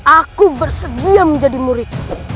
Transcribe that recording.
aku bersedia menjadi murid